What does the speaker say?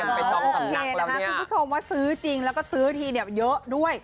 โอเคนะคะคุณผู้ชมว่าซื้อจริงแล้วก็ซื้อทีเนี่ยเยอะด้วย